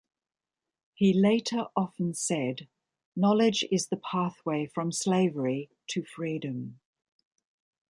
He later often said, knowledge is the pathway from slavery to freedom.